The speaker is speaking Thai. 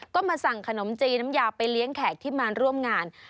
ก็มาสั่งขนมจีนน้ำยาไปเลี้ยงแขกที่มาร่วมงาน